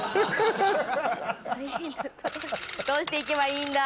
どうしていけばいいんだ？